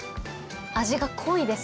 味が濃いです